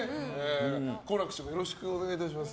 好楽師匠もよろしくお願いいたします。